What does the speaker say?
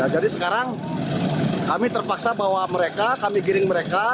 jadi sekarang kami terpaksa bawa mereka kami giring mereka